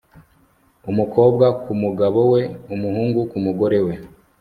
Umukobwa ku mugabo we umuhungu ku mugore we